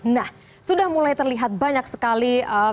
nah sudah mulai terlihat banyak sekali